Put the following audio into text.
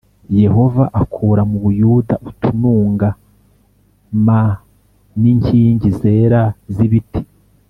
Yehova akura mu buyuda utununga m n inkingi zera z ibiti